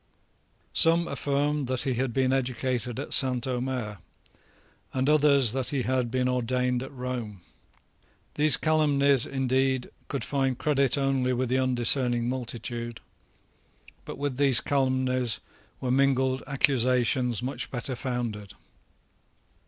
Some affirmed that he had been educated at St. Omers, and others that he had been ordained at Rome. These calumnies, indeed, could find credit only with the undiscerning multitude; but with these calumnies were mingled accusations much better founded.